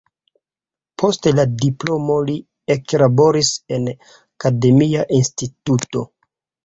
Post la diplomo li eklaboris en akademia instituto.